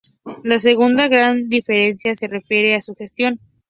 La segunda gran diferencia se refiere a su gestión.